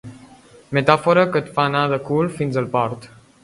Metàfora que et fa anar de cul fins a port.